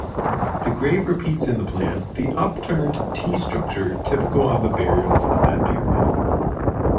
The grave repeats in the plan the upturned T structure typical of the burials of that period.